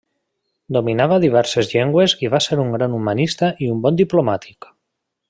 Dominava diverses llengües i va ser un gran humanista i un bon diplomàtic.